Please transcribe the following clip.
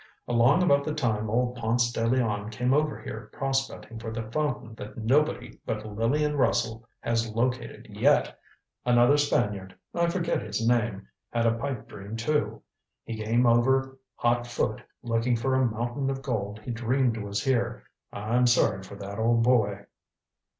Along about the time old Ponce de Leon came over here prospecting for the fountain that nobody but Lillian Russell has located yet, another Spaniard I forget his name had a pipe dream, too. He came over hot foot looking for a mountain of gold he dreamed was here. I'm sorry for that old boy."